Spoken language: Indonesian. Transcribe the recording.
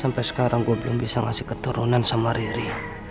sampai sekarang gue belum bisa ngasih keturunan sama riri